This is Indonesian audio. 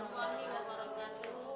tunggu angin bawa rogan dulu